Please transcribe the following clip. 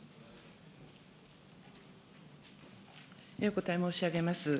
お答え申し上げます。